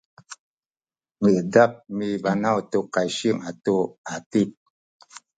miedap mibanaw tu kaysing atu atip